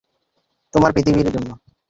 তোমার পৃথিবীর জন্য!